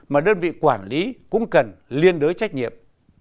mà đơn vị quản lý cũng cần liên đối trách nhiệm